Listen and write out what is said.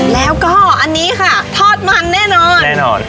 แล้วก็อันนี้ค่ะทอดมันแน่นอน